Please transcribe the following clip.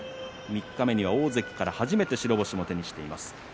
三日目には大関から初めて白星を手にしています。